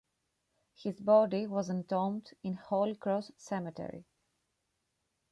His body was entombed in Holy Cross Cemetery.